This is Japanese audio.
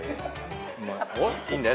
いいんだよ